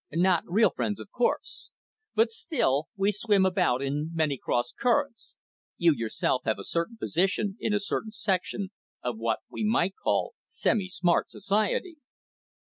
"Not real friends, of course. But still, we swim about in many cross currents. You yourself have a certain position in a certain section of what we might call semi smart society."